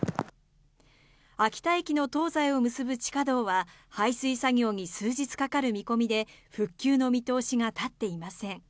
秋田駅の東西を結ぶ地下道は排水作業に数日かかる見込みで復旧の見通しが立っていません。